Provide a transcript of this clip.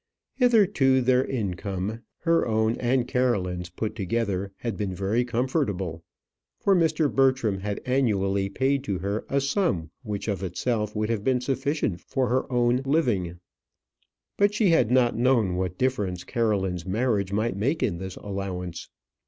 Hitherto their income, her own and Caroline's put together, had been very comfortable; for Mr. Bertram had annually paid to her a sum which of itself would have been sufficient for her own living. But she had not known what difference Caroline's marriage might make in this allowance.